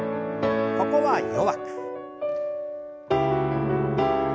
ここは弱く。